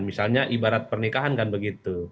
misalnya ibarat pernikahan kan begitu